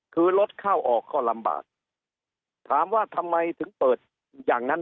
คือรถเข้าออกก็ลำบากถามว่าทำไมถึงเปิดอย่างนั้น